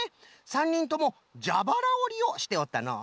３にんともじゃばらおりをしておったのう。